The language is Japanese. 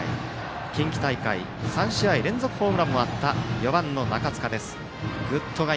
近畿大会３試合連続ホームランもあった４番の中塚です。